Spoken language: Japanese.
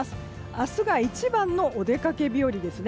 明日が一番のお出かけ日和です。